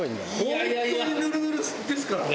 本当にヌルヌルですからね